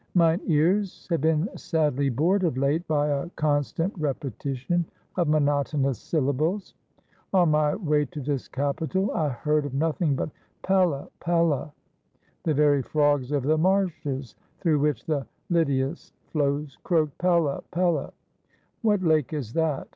"Mine ears have been sadly bored of late by a con stant repetition of monotonous syllables. On my way to this capital, I heard of nothing but 'Pella! Pella!' The very frogs of the marshes through which the Lydias 199 "'' GREECE flows croaked 'Pella! Pella!' 'What lake is that?